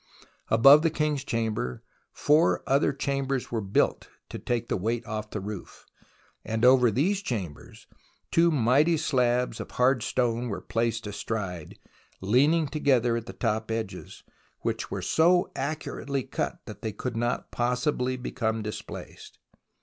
Above the King's Chamber four other chambers were built to take the weight off the roof, and over these chambers two mighty slabs of hard stone were placed astride, leaning together at the top edges, which were so accurately cut that they could not possibly become displaced.